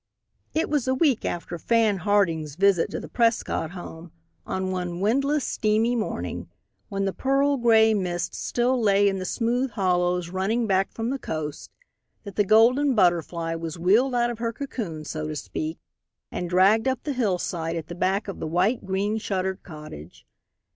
It was a week after Fan Harding's visit to the Prescott home, on one windless, steamy morning, when the pearl gray mist still lay in the smooth hollows running back from the coast, that The Golden Butterfly was wheeled out of her cocoon so to speak and dragged up the hillside at the back of the white, green shuttered cottage.